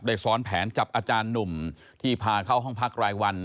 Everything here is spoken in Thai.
ซ้อนแผนจับอาจารย์หนุ่มที่พาเข้าห้องพักรายวัน